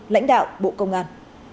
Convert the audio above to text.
lãnh đạo bộ công an